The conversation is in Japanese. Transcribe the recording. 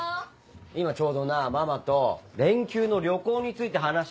今ちょうどなママと連休の旅行について話してたんだよ。